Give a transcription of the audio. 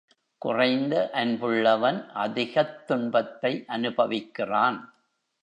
குறைந்த அன்புள்ளவன் அதிகத் துன்பத்தை அனுபவிக்கிறான்.